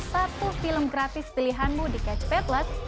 satu film gratis pilihanmu di catch lima plus